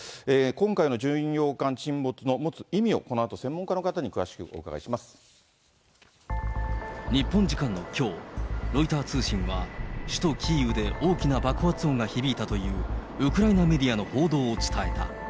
今回の巡洋艦沈没の持つ意味を、このあと、日本時間のきょう、ロイター通信は、首都キーウで大きな爆発音が響いたというウクライナメディアの報道を伝えた。